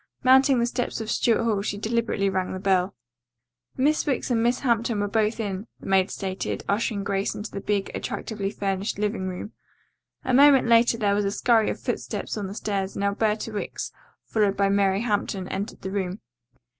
Mounting the steps of Stuart Hall she deliberately rang the bell. Miss Wicks and Miss Hampton were both in, the maid stated, ushering Grace into the big, attractively furnished living room. A moment later there was a scurry of footsteps on the stairs and Alberta Wicks, followed by Mary Hampton, entered the room.